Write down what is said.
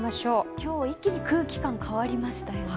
今日、一気に空気感が変わりましたよね。